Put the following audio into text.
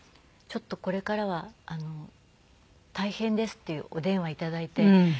「ちょっとこれからは大変です」っていうお電話頂いて。